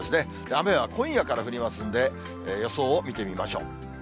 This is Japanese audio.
雨は今夜から降りますんで、予想を見てみましょう。